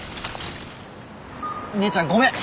姉ちゃんごめん！